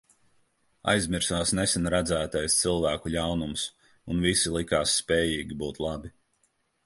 Aizmirsās nesen redzētais cilvēku ļaunums, un visi likās spējīgi būt labi.